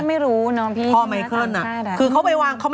แต่เองจริงเขาก็ไม่รู้เนอะที่ตะละข้ามัน